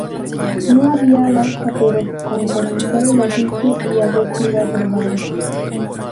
No había basta, pero, con conocer el oficio y haber sido aprobado.